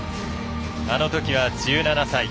あのときは１７歳。